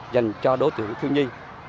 dành cho đối tượng thương nhi